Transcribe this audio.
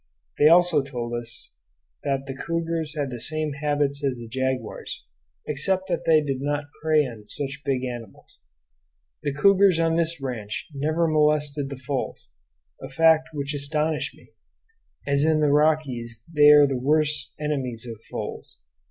They also told us that the cougars had the same habits as the jaguars except that they did not prey on such big animals. The cougars on this ranch never molested the foals, a fact which astonished me, as in the Rockies they are the worst enemies of foals.